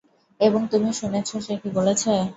এবং তুমি শুনেছ সে কি বলেছে।